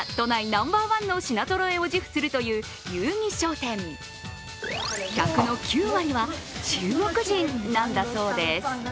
ナンバーワンの品ぞろえを自負するという友誼商店、客の９割が中国人なんだそうです。